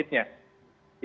itu yang berarti